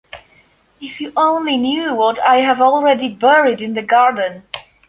If you only knew what I have already buried in the garden!